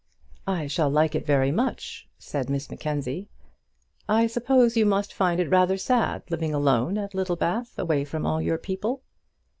"I shall like it very much," said Miss Mackenzie. "I suppose you must find it rather sad, living alone at Littlebath, away from all your people?"